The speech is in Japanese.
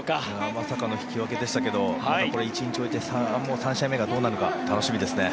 まさかの引き分けでしたけど１日置いて３試合目がどうなるか楽しみですね。